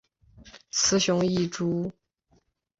雄雌异株。